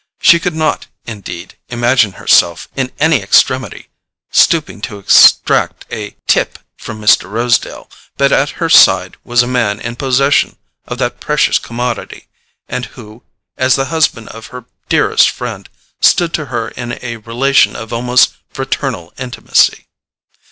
She could not, indeed, imagine herself, in any extremity, stooping to extract a "tip" from Mr. Rosedale; but at her side was a man in possession of that precious commodity, and who, as the husband of her dearest friend, stood to her in a relation of almost fraternal intimacy.